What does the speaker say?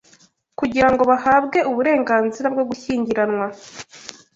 kugira ngo bahabwe uburenganzira bwo gushyingiranwa